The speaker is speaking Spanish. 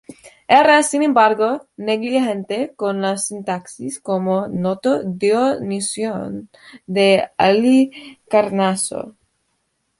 Era, sin embargo, negligente con la sintaxis, como notó Dionisio de Halicarnaso.